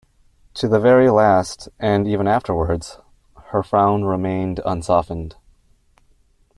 To the very last, and even afterwards, her frown remained unsoftened.